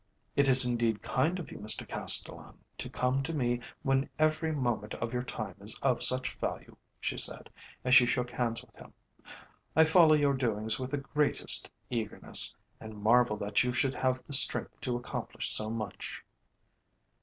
"It is indeed kind of you, Mr Castellan, to come to me when every moment of your time is of such value," she said, as she shook hands with him. "I follow your doings with the greatest eagerness, and marvel that you should have the strength to accomplish so much."